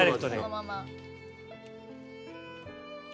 そのまま。